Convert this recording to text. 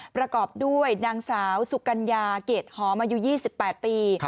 ประกอบด้วยนางสาวสุกัญญาเกรดหอมอายุ๒๘ปี